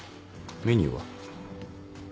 メニューは？